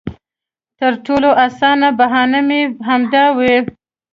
تر ټولو اسانه بهانه به مې همدا وي.